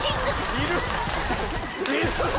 いる！